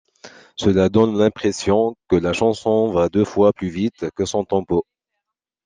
Cela donne l’impression que la chanson va deux fois plus vite que son tempo.